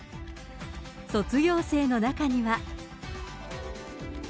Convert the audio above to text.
卒業生の中には。